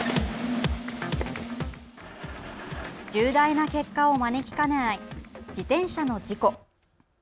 重大な結果を招きかねない自転車の事故。